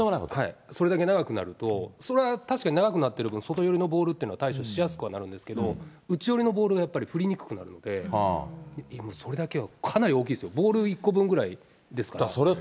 それだけ長くなると、それは確かに長くなってる分、外寄りのボールには対処しやすくなってるんですけど、内寄りのボールがやっぱり振りにくくなるので、それだけでもかなり大きいですよ、ボール１個分ぐらいですから。